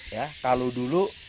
ya kalau dulu